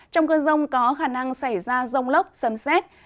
trong cơn rông có khả năng xảy ra rông lốc sấm xét